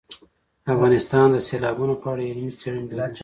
افغانستان د سیلابونه په اړه علمي څېړنې لري.